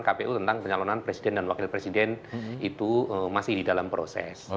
kpu tentang penyalonan presiden dan wakil presiden itu masih di dalam proses